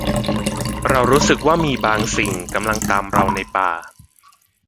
เรารู้สึกว่ามีบางสิ่งกำลังตามเราในป่า